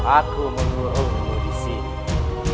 aku mengurungmu disini